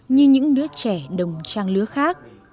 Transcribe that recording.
như những đứa trẻ đồng trang lứa khác